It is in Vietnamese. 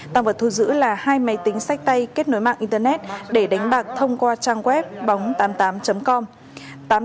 tăng vật thu giữ là hai máy tính sách tay kết nối mạng internet để đánh bạc thông qua trang web bóng tám mươi tám com